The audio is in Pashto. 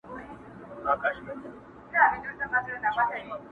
له احتیاجه چي سي خلاص بادار د قام وي!!!!!